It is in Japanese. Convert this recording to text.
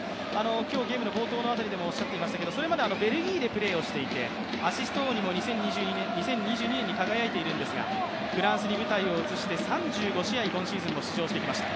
今日ゲームの冒頭でもおっしゃっていましたけど、それまではベルギーでプレーをしていてアシスト王にも２０２２年に輝いているんですがフランスに舞台を移して３５試合今シーズンプレーしてきました。